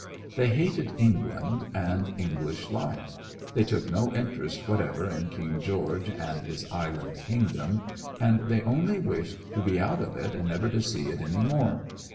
They hated England and English life; they took no interest whatever in King George and his island kingdom, and they only wished to be out of it and never to see it any more.